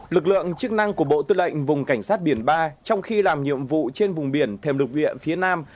lực lượng chức năng của bộ tư lệnh vùng cảnh sát biển ba trong khi làm nhiệm vụ trên vùng biển thêm lục địa phía nam